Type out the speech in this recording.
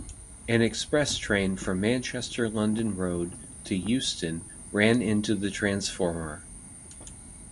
An express train from Manchester London Road to Euston ran into the transformer.